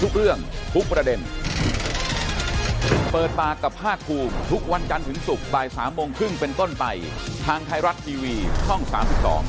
คือดูแล้วแหละตอนนั้นนะคะ